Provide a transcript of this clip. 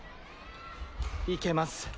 行けます。